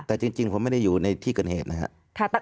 แต่จริงผมไม่ได้อยู่ในที่เกิดเหตุนะครับ